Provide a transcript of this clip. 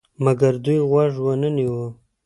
مګر دوی غوږ ونه نیوی.